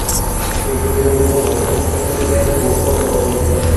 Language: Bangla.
সূর্যকিরণ যেন বর্ষার জলে ধৌত ও স্নিগ্ধ।